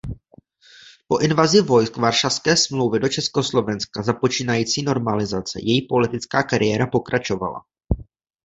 Po invazi vojsk Varšavské smlouvy do Československa za počínající normalizace její politická kariéra pokračovala.